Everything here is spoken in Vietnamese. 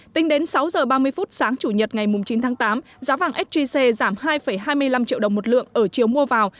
tính đến sáu giờ ba mươi phút sáng chủ nhật ngày chín tháng tám giá vàng sgc giảm hai hai mươi năm triệu đồng một lượng ở chiều mua vào